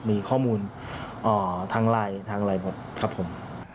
มีข้อมูลทางไลน์ครับผม